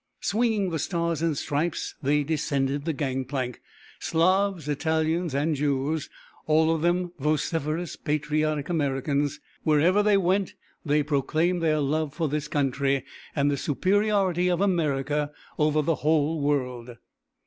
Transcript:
Swinging the Stars and Stripes they descended the gang plank; Slavs, Italians and Jews, all of them vociferous, patriotic Americans. Wherever they went they proclaimed their love for this country, and the superiority of America over the whole world.